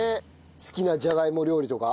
好きなじゃがいも料理とか。